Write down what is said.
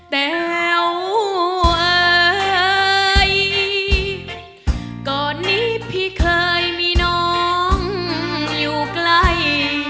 แต๋วเอ่ยก่อนนี้พี่เคยมีน้องอยู่ใกล้